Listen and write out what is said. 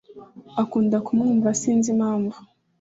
Akunda kumwumva sinzi impamvu